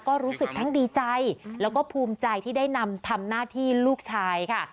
ก็รู้สึกทั้งดีใจแล้วก็ภูมิใจที่ได้นำทำหน้าที่ลูกชายค่ะ